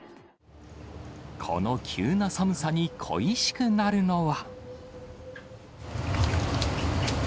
この急な寒さに、恋しくなるのは。